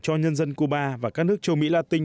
cho nhân dân cuba và các nước châu mỹ la tinh